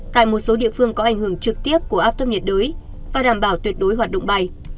tại một số địa phương có ảnh hưởng trực tiếp của áp thấp nhiệt đới và đảm bảo tuyệt đối hoạt động bay